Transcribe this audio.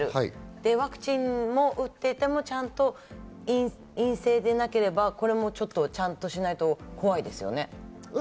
ワクチンを打っていても、ちゃんと陰性でなければ、これもちょっと、ちゃんとしないと怖いですよね。